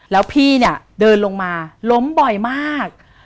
แล้วพี่เนี่ยเดินลงมาล้มบ่อยมาก